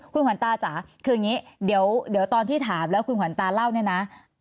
คุณขวัญตาจ๋าคืออย่างนี้เดี๋ยวตอนที่ถามแล้วคุณขวัญตาเล่าเนี่ยนะ